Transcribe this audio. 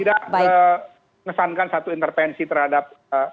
tidak mengesankan satu intervensi terhadap